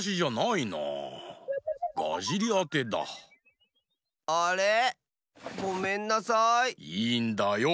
いいんだよ。